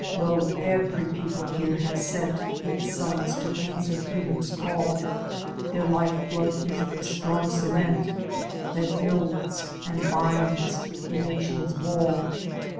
Lo ! every people here has sent Its sons to answer freedom's call; Their lifeblood is the strong cement That builds and binds the nation's wall.